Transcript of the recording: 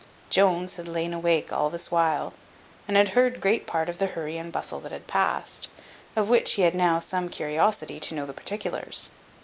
Jones had lain awake all this while, and had heard great part of the hurry and bustle that had passed, of which he had now some curiosity to know the particulars.